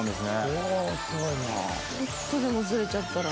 おぉすごいな。